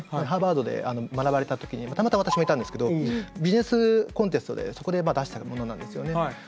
ハーバードで学ばれた時にたまたま私もいたんですけどビジネスコンテストでそこで出したものなんですよね。